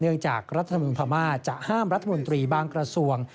เนื่องจากรัฐมนธมาจะห้ามรัฐมนตรีบางกระทรวง